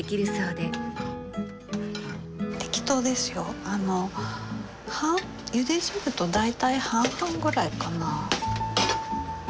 適当ですよゆで汁と大体半々ぐらいかなぁ。